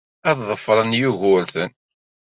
Ad ḍefren Yugurten.